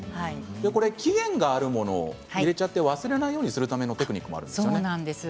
期限があるものを入れちゃって忘れないようにするためのテクニックなんですよね。